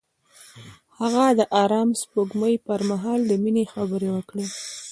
هغه د آرام سپوږمۍ پر مهال د مینې خبرې وکړې.